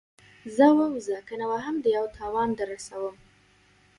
ځه ووځه کنه وهم دې او تاوان در رسوم.